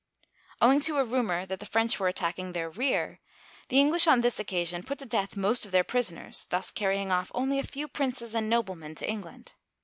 Owing to a rumor that the French were attacking their rear, the English on this occasion put to death most of their prisoners, thus carrying off only a few princes and noblemen to England.